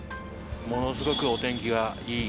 ものすごくお天気がいい